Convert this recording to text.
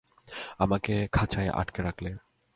আমাকে খাঁচায় আটকে রাখলে।